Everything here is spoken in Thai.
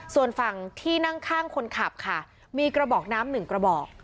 ส่วนฝั่งที่นั่งข้างคนขับค่ะมีกระบอกน้ำหนึ่งกระบอก